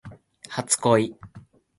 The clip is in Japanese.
初恋